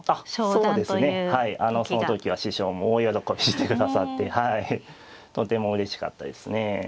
そうですねその時は師匠も大喜びしてくださってとてもうれしかったですね。